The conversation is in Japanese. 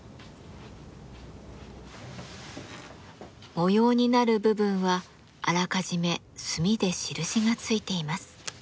模様になる部分はあらかじめ墨で印がついています。